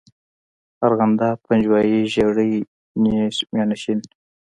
ارغنداب، پنجوائی، ژړی، نیش، میانشین.